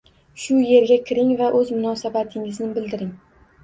Shu yerga kiring va o‘z munosabatingizni bildiring